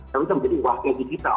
dan kita menjadi warga digital